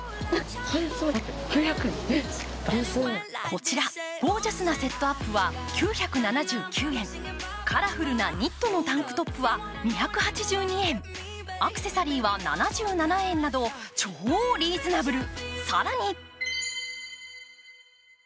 こちら、ゴージャスなセットアップは９７９円、カラフルなニットのタンクトップは２８２円、アクセサリーは７７円など超リーズナブル。